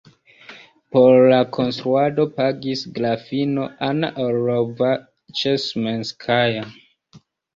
Por la konstruado pagis grafino Anna Orlova-Ĉesmenskaja.